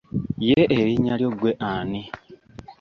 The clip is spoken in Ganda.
Ye erinnya lyo ggwe ani?